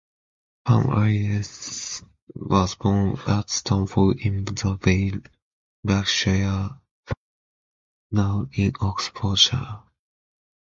Pam Ayres was born at Stanford in the Vale, Berkshire, now in Oxfordshire.